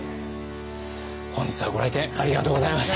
本日はご来店ありがとうございました。